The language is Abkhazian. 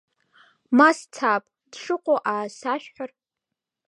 Ма сцап, дшыҟоу аасашәҳәар.